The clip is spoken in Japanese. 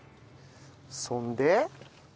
そんで。